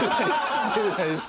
出れないです。